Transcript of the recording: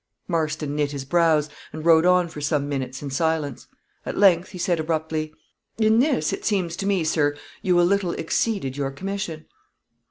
Marston knit his brows, and rode on for some minutes in silence. At length he said, abruptly "In this, it seems to me, sir, you a little exceeded your commission."